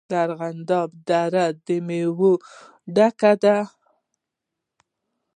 د ارغنداب دره د میوو ډکه ده.